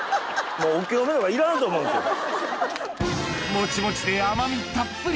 もちもちで甘みたっぷり！